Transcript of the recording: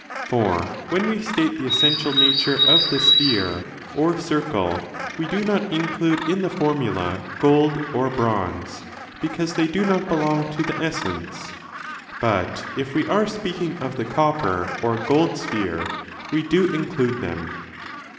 For when we state the essential nature of the sphere or circle we do not include in the formula gold or bronze, 5 because they do not belong to the essence, but if we are speaking of the copper or gold sphere we do in clude them.